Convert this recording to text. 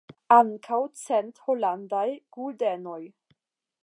Ankaŭ cent holandaj guldenoj.